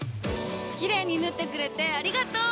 きれいに縫ってくれてありがとう！